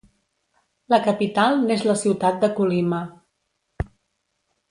La capital n'és la ciutat de Colima.